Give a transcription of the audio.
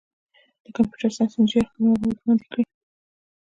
د کمپیوټر ساینس انجینر دي خپل معلومات وړاندي کي.